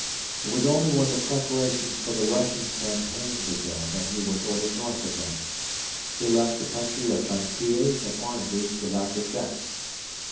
It was only when the preparations for the Russian campaign began that he was ordered north again. He left the country of mantillas and oranges without regret.